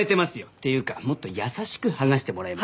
っていうかもっと優しく剥がしてもらえます？